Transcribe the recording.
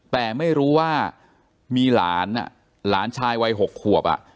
แต่ไม่รู้ว่ามีหลานหลานชายวัย๖ขวบ